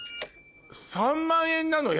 ３万円なの？